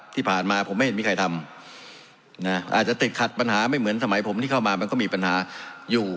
ที่ผ่านมาผมไม่เห็นมีใครทำอาจจะติดขัดปัญหาไม่เหมือนสมัยผมที่เข้ามามันก็มีปัญหาอยู่